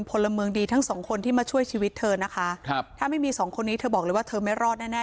พลเมืองดีทั้งสองคนที่มาช่วยชีวิตเธอนะคะครับถ้าไม่มีสองคนนี้เธอบอกเลยว่าเธอไม่รอดแน่แน่